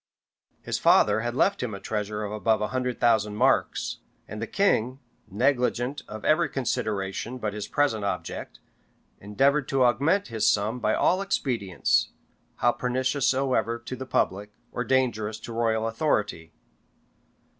His father had left him a treasure of above a hundred thousand marks; and the king, negligent of every consideration but his present object, endeavored to augment his sum by all expedients, how pernicious soever ta the public, or dangerous to royal authority.